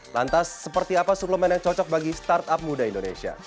lantas seperti apa suplemen yang cocok bagi startup muda indonesia